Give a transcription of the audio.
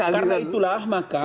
karena itulah maka